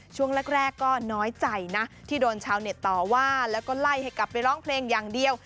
ช่วงแรกก็น้อยใจนะที่โดนชาวเน็ตต่อว่าแล้วก็ไล่ให้กลับไปร้องเพลงอย่างเดียว